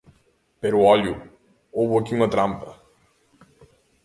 Pero ¡ollo!, houbo aquí unha trampa.